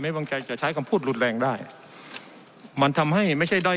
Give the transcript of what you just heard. วางใจจะใช้คำพูดรุนแรงได้มันทำให้ไม่ใช่ได้